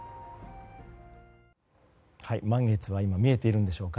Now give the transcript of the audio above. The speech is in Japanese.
満月は今、見えているんでしょうか。